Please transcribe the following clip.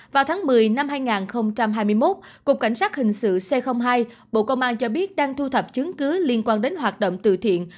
vào tháng một mươi năm hai nghìn hai mươi một cục cảnh sát hình sự c hai bộ công an cho biết đang thu thập chứng cứ liên quan đến hoạt động từ thiện